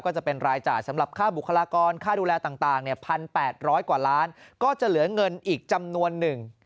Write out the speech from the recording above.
ก็จะเป็นรายจ่ายสำหรับค่าบุคลากรค่าดูแลต่าง๑๘๐๐กว่าล้านก็จะเหลือเงินอีกจำนวนหนึ่ง